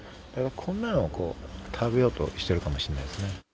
こんなのを食べようとしてるかもしれないですね。